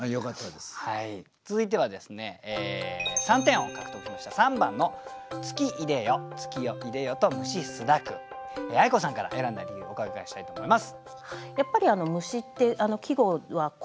続いては３点を獲得しました相子さんから選んだ理由をお伺いしたいと思います。